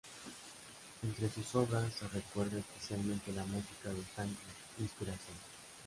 Entre sus obras se recuerda especialmente la música del tango "Inspiración".